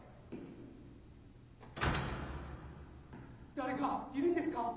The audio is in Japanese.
誰かいるんですか？